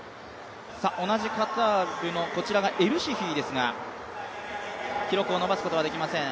同じカタールのこちら、エルシフィですが、記録を伸ばすことはできません。